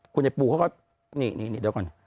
คุณไอ้ปูเขาก็นี่เดี๋ยวก่อน